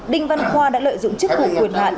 đinh văn khoa đã lợi dụng chức vụ quyền hạn